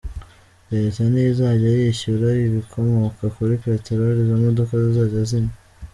Leta niyo izajya yishyura ibikomoka kuri Peteroli izo modoka zizajya zinywa.